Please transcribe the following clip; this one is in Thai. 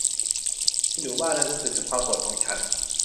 ไอ้หนูบ้านั่นรู้สึกถึงความโกรธของฉัน